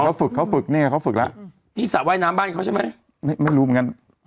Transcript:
เขาฝึกเขาฝึกเนี่ยเขาฝึกแล้วที่สระว่ายน้ำบ้านเขาใช่ไหมไม่รู้เหมือนกัน